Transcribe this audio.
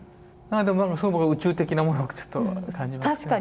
何かでもすごく宇宙的なものをちょっと感じます。